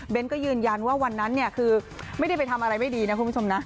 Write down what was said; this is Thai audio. ก็ยืนยันว่าวันนั้นเนี่ยคือไม่ได้ไปทำอะไรไม่ดีนะคุณผู้ชมนะ